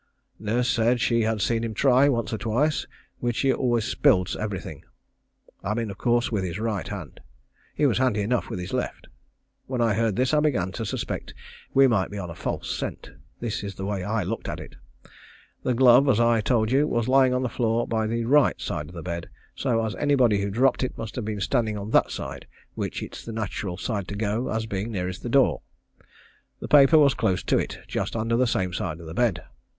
Nurse said she had seen him try once or twice, which he always spilled everything. I mean of course with his right hand. He was handy enough with his left. When I heard this I began to suspect we might be on a false scent. This is the way I looked at it. The glove, as I told you, was lying on the floor by the right side of the bed, so as anybody who dropped it must have been standing on that side which it's the natural side to go to as being nearest the door. The paper was close to it, just under the same side of the bed.